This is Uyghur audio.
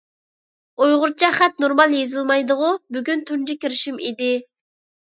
ئۇيغۇرچە خەت نورمال يېزىلمايدىغۇ؟ بۈگۈن تۇنجى كىرىشىم ئىدى.